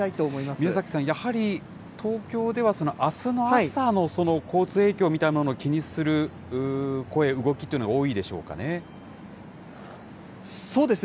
宮崎さん、やはり東京ではあすの朝の交通影響みたいなのを気にする声、動きというのは多いでしょうかね。